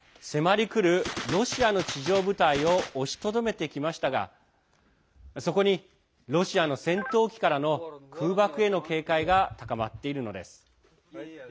地上部隊が迫りくるロシアの地上部隊を押しとどめてきましたがそこに、ロシアの戦闘機からの空爆への警戒が高まっているのです。